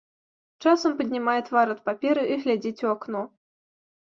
Часам паднімае твар ад паперы і глядзіць у акно.